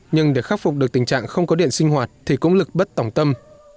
nhưng để khắc phục được tình trạng không có điện sinh hoạt thì cũng lực bất tỏng tâm